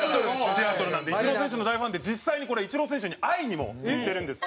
シアトルなんでイチロー選手の大ファンで実際にこれイチロー選手に会いにも行ってるんです。